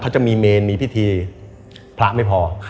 เขาจะมีเมนมีพิธีพระไม่พอ